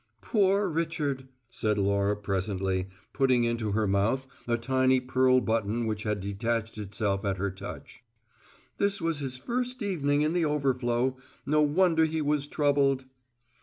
"Poor Richard!" said Laura presently, putting into her mouth a tiny pearl button which had detached itself at her touch. "This was his first evening in the overflow. No wonder he was troubled!"